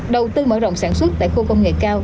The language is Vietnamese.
đầu tư mở rộng sản xuất tại khu công nghệ cao